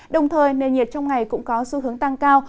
đồng thời nền nhiệt trong ngày cũng có xu hướng tăng cao